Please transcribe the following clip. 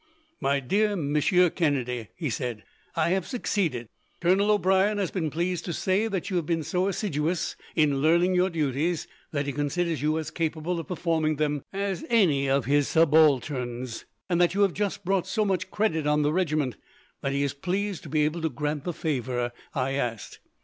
"My dear Monsieur Kennedy," he said, "I have succeeded. Colonel O'Brien has been pleased to say that you have been so assiduous, in learning your duties, that he considers you as capable of performing them as any of his subalterns; and that you have just brought so much credit on the regiment, that he is pleased to be able to grant the favour I asked.